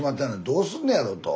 どうすんのやろと。